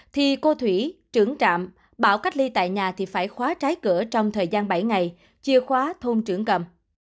thì cô thủy trưởng trạm bảo cách ly tại nhà thì phải khóa trái cửa trong thời gian bảy ngày chìa khóa thôn trưởng cầm